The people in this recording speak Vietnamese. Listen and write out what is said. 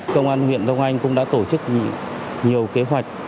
công an huyện đông anh cũng đã tổ chức nhiều kế hoạch